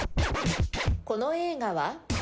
この映画は？